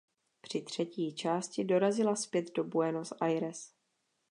Při třetí části dorazila zpět do Buenos Aires.